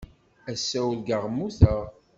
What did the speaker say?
Ass-a, urgaɣ mmuteɣ.